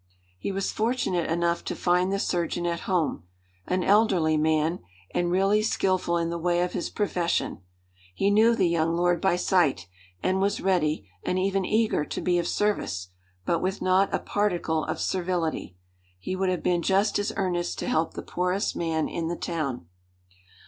He was fortunate enough to find the surgeon at home, an elderly man, and really skillful in the way of his profession. He knew the young lord by sight, and was ready, and even eager, to be of service; but with not a particle of servility. He would have been just as earnest to help the poorest man in the town.